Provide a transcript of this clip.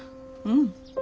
うん。